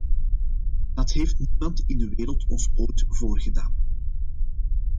Dat heeft niemand in de wereld ons ooit voorgedaan.